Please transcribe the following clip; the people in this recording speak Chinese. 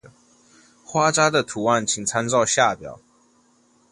花札的图案请参照下表。